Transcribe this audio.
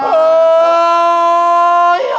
ฮิ้ว